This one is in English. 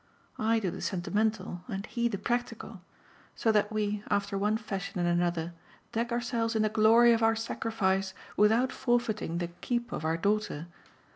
I do the sentimental and he the practical; so that we, after one fashion and another, deck ourselves in the glory of our sacrifice without forfeiting the 'keep' of our daughter.